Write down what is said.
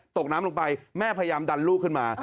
ตกน้ำลงไปแม่พยายามดันลูกขึ้นมา